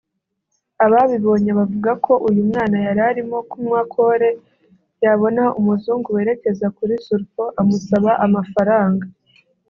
Ababibonye bavuga ko uyu mwana yari arimo kunywa kore yabona umuzungu werekezaga kuri Sulfo amusaba amafaranga